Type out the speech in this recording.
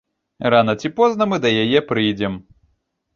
Рана ці позна мы да яе прыйдзем.